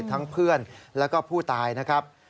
ทั้งเพื่อนแล้วก็ผู้ตายนะครับ